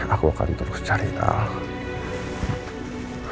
aku akan terus cari tahu